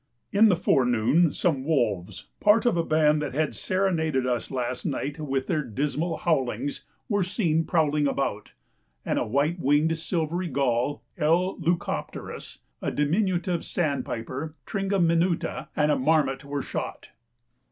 In the forenoon some wolves, part of a band that had serenaded us last night with their dismal howlings, were seen prowling about; and a white winged silvery gull (L. leucopterus), a diminutive sandpiper (tringa minuta), and a marmot were shot.